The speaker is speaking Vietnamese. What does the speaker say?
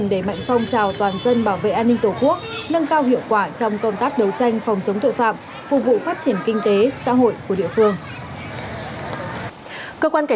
đề mạnh công tác đấu tranh phòng chống tội phạm cũng xuất phát từ đây